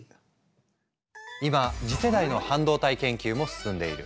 今次世代の半導体研究も進んでいる。